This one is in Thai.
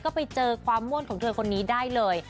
ก็ไปเจอความม่วนของเธอคนนี้ได้เลย